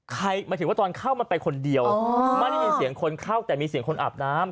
หมายถึงว่าตอนเข้ามันไปคนเดียวไม่ได้ยินเสียงคนเข้าแต่มีเสียงคนอาบน้ำ